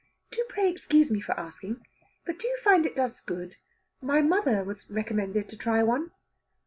"Do pray excuse me for asking, but do you find it does good? My mother was recommended to try one."